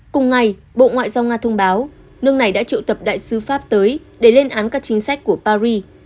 cùng ngày bộ ngoại giao nga thông báo nước này đã triệu tập đại sứ pháp tới để lên án các chính sách của paris